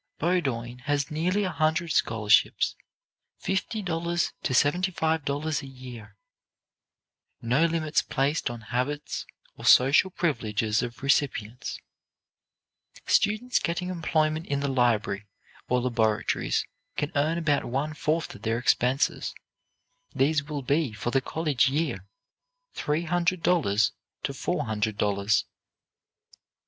Bowdoin has nearly a hundred scholarships, fifty dollars to seventy five dollars a year: "no limits placed on habits or social privileges of recipients;" students getting employment in the library or laboratories can earn about one fourth of their expenses; these will be, for the college year, three hundred dollars to four hundred dollars.